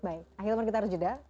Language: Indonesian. akhirnya kita harus jeda